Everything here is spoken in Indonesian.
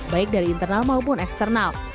baik dari internal maupun eksternal